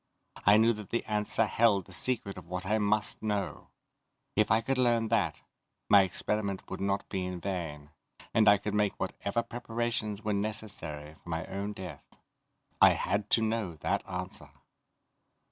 I knew that the answer held the secret of what I must know. If I could learn that, my experiment would not be in vain, and I could make whatever preparations were necessary for my own death. I had to know that answer.